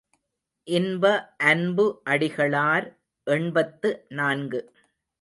இன்ப அன்பு அடிகளார் எண்பத்து நான்கு.